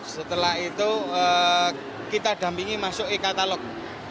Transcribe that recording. setelah itu kita dampingi masuk e katalog